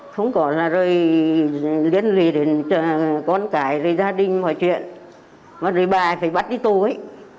không còn liên lị đến con cái gia đình mọi chuyện rồi bà phải bắt đi tù ấy